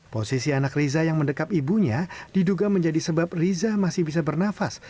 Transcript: posisi anak riza yang mendekat ibunya diduga menjadi sebab riza masih bisa bernafas